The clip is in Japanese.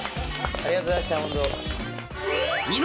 ありがとうございましたホント。